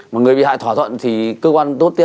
mà người bị hại thỏa thuận thì cơ quan tốt tiếp